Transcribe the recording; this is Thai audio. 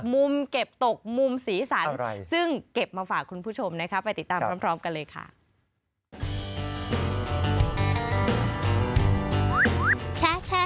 มุมเก็บตกมุมสีสันซึ่งเก็บมาฝากคุณผู้ชมนะครับ